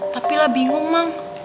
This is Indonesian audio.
tapi lah bingung emang